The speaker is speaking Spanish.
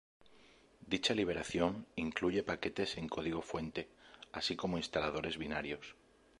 Dicha liberación incluye paquetes en código fuente, así como instaladores binarios.